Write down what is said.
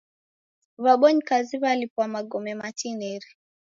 W'abonyi kazi w'alipwa magome matineri.